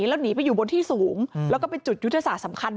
แล้วหนีไปอยู่บนที่สูงแล้วก็เป็นจุดยุทธศาสตร์สำคัญ